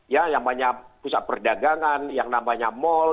ya yang namanya pusat perdagangan yang namanya mal